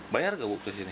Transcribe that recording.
bayar gak bu ke sini